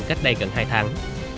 cách đây gần hai tháng